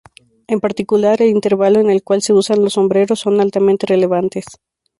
En particular, el intervalo en el cual se usan los sombreros son altamente relevantes.